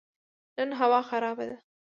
نن هوا خراب ده